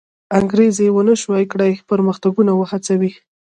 انګېزې و نه شوی کړای پرمختګونه وهڅوي.